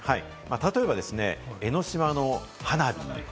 例えば、江の島の花火。